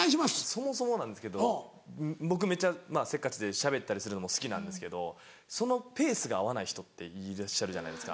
そもそもなんですけど僕めっちゃせっかちでしゃべったりするのも好きなんですけどそのペースが合わない人っていらっしゃるじゃないですか。